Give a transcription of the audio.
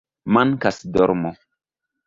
"Mankas dormo"